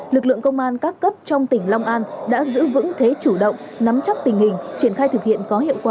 lực lượng công an các cấp trong tỉnh long an đã giữ vững thế chủ động nắm chắc tình hình triển khai thực hiện